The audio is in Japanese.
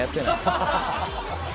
ハハハハ。